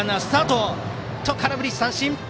空振り三振。